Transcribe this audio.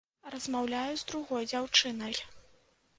Размаўляю з другой дзяўчынай.